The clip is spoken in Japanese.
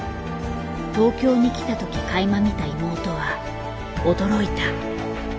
東京に来た時かいま見た妹は驚いた。